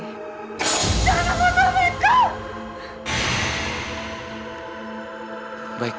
jangan lakukan hal baikku